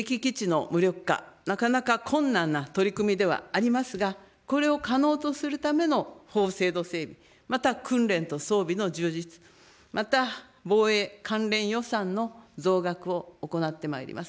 敵基地の無力化、なかなか困難な取り組みではありますが、これを可能とするための法制度整備、また訓練と装備の充実、また防衛関連予算の増額を行ってまいります。